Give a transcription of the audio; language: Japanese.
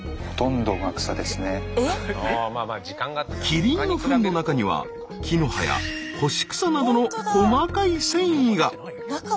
キリンのフンの中には木の葉や干し草などの細かい繊維が。